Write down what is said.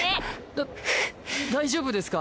だ大丈夫ですか？